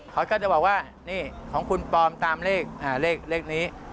เขาก็จะบอกว่านี่ของคุณปลอมตามเลขนี้